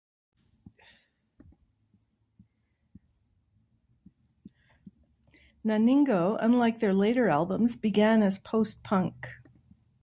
"Naningo", unlike their later albums, began as post-punk.